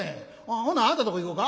ほなあんたのとこ行こうか？」。